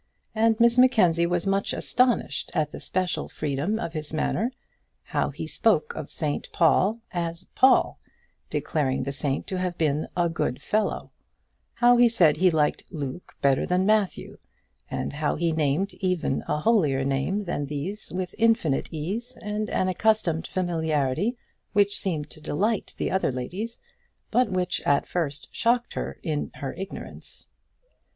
And Miss Mackenzie was much astonished at the special freedom of his manner, how he spoke of St Paul as Paul, declaring the saint to have been a good fellow; how he said he liked Luke better than Matthew, and how he named even a holier name than these with infinite ease and an accustomed familiarity which seemed to delight the other ladies; but which at first shocked her in her ignorance.